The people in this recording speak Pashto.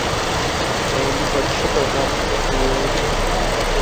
ګاونډي په کښته ږغ وویل !